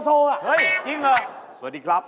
สวัสดีครับ